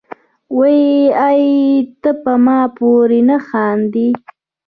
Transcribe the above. وې ئې " تۀ پۀ ما پورې نۀ خاندې،